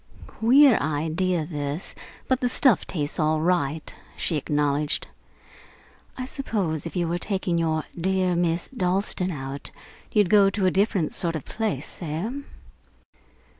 "Queer idea, this, but the stuff tastes all right," she acknowledged. "I suppose, if you were taking your dear Miss Dalstan out, you'd go to a different sort of place, eh?"